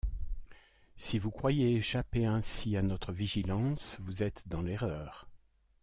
Si vous croyez échapper ainsi à notre vigilance, vous êtes dans l’erreur.